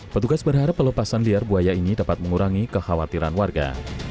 petugas berharap pelepasan liar buaya ini dapat mengurangi kekhawatiran warga